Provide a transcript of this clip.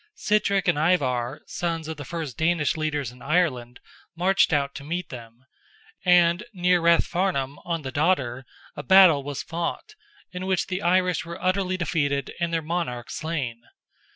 Sitrick and Ivar, sons of the first Danish leaders in Ireland, marched out to meet them, and near Rathfarnham, on the Dodder, a battle was fought, in which the Irish were utterly defeated and their monarch slain.